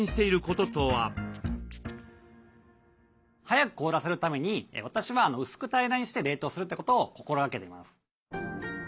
速く凍らせるために私は薄く平らにして冷凍するってことを心がけてます。